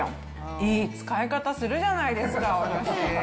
いい使い方するじゃないですか、私。